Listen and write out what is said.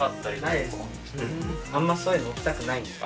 あんまそういうの置きたくないんで。